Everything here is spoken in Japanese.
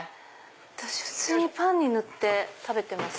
私普通にパンに塗って食べてます。